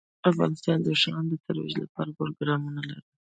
افغانستان د ښارونه د ترویج لپاره پروګرامونه لري.